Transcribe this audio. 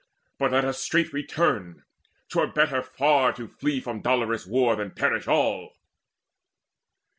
But let us straight return: 'twere better far To flee from dolorous war than perish all."